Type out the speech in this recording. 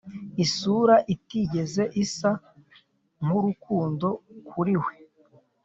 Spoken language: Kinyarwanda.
isura itigeze isa nkurukundo kuri we,